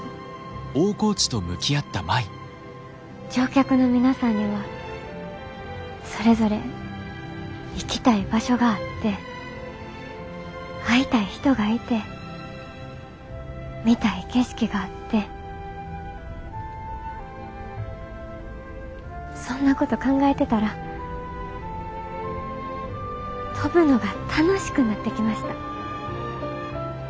乗客の皆さんにはそれぞれ行きたい場所があって会いたい人がいて見たい景色があってそんなこと考えてたら飛ぶのが楽しくなってきました。